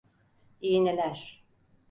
İğneler.